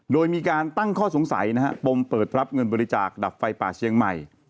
โดยมีการตั้งข้อสงสัยนะฮะปมเปิดรับเงินบริจาคดับไฟป่าเชียงใหม่